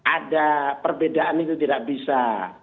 ada perbedaan itu tidak bisa